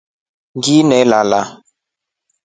Nginnelala.